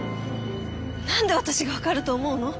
なんで私が分かると思うの？